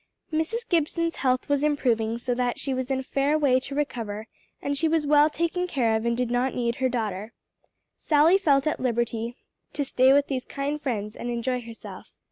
Mrs. Gibson's health was improving so that she was in a fair way to recover and as she was well taken care of and did not need her daughter, Sally felt at liberty to stay with these kind friends and enjoy herself.